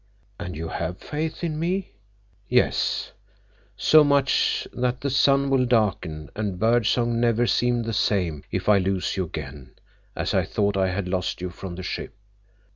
"And you have faith in me?" "Yes; so much that the sun will darken and bird song never seem the same if I lose you again, as I thought I had lost you from the ship."